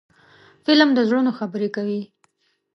فلم د زړونو خبرې کوي